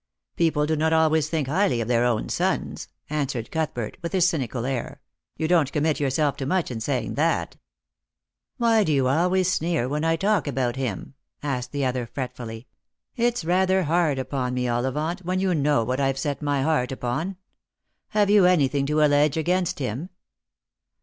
" People do not always think highly of their own sons," answered Cuthbert, with his cynical air ;" you don't commit yourself to much in saying that." " Why do you always sneer when I talk about him ?" asked the other fretfully. " It's rather hard upon me, Ollivant, when you know what I've set my heart upon. Have you anything to allege against him